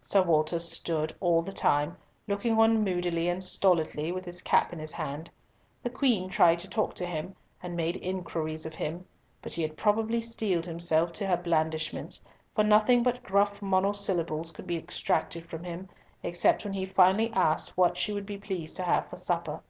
Sir Walter stood all the time, looking on moodily and stolidly, with his cap in his hand. The Queen tried to talk to him, and make inquiries of him, but he had probably steeled himself to her blandishments, for nothing but gruff monosyllables could be extracted from him, except when he finally asked what she would be pleased to have for supper.